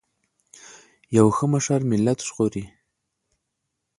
یو ښه مشر ملت ژغوري.